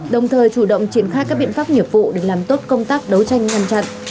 đồng thời chủ động triển khai các biện pháp nghiệp vụ để làm tốt công tác đấu tranh ngăn chặn